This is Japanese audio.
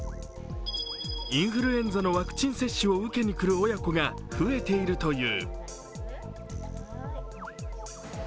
インフルエンザのワクチン接種を受けに来る親子が増えているという。